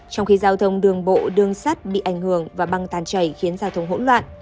trong khi giao thông đường bộ đường sắt bị ảnh hưởng và băng tan chảy khiến giao thông hỗn loạn